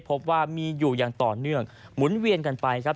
พบว่ามีอยู่อย่างต่อเนื่องหมุนเวียนกันไปครับ